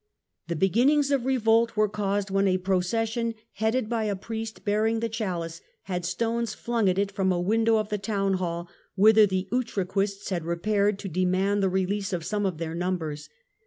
The beginnings of revolt were caused when a procession, headed by a priest bearing the ChaHce, had stones flung at it from a window of the townhall, whither the Utraquists had repaired to de mand the release of some of their numbers.